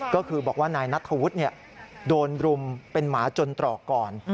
ก็คือบอกว่านายนัทธวุฒิโดนรุมเป็นหมาจนตรอกก่อน